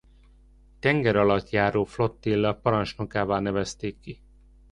Tengeralattjáró flottilla parancsnokává nevezték ki.